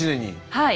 はい。